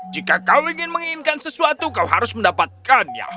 jika kau ingin menginginkan sesuatu kau harus mendapatkannya